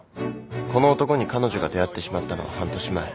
この男に彼女が出会ってしまったのは半年前。